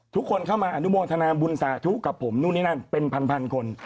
ทุกคนเข้ามาอนุโมทนาบุญสาธุกับผมนู่นนี่นั่นเป็นพันคน